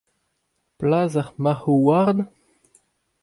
Plas ar marcʼhoù-houarn ?